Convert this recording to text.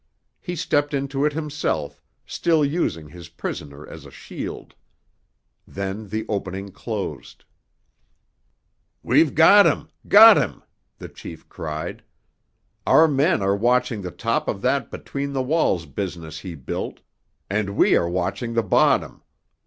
He stepped into it himself, still using his prisoner as a shield. Then the opening closed. "We've got him—got him!" the chief cried. "Our men are watching the top of that between the walls business he built, and we are watching the bottom.